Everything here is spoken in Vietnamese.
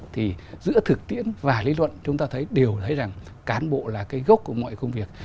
thì giữa thực tiễn và lý luận chúng ta thấy đều thấy rằng cán bộ là cái gốc của mọi công việc